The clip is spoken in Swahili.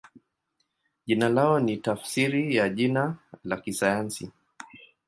Jina lao ni tafsiri ya jina la kisayansi.